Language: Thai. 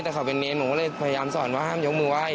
แต่เขาเป็นเนรหนูก็เลยพยายามสอนว่าห้ามยกมือไหว้